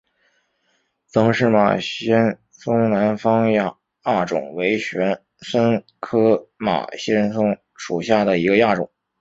普氏马先蒿南方亚种为玄参科马先蒿属下的一个亚种。